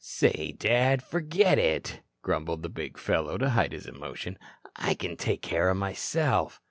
"Say, Dad, forget it," grumbled the big fellow to hide his emotion. "I can take care of myself."